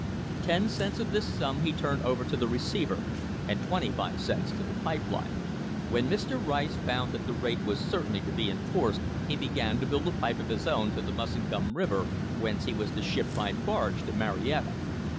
Ten cents of this sum he turned over to the receiver and twenty five cents to the pipe line. When Mr. Rice found that the rate was certainly to be enforced he began to build a pipe of his own to the Muskingum River, whence he was to ship by barge to Marietta.